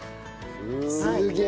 すげえ。